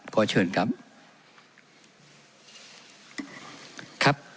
ขอเชิญครับ